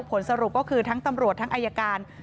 ผลสรุปก็คือทั้งตำรวจทั้งอายการ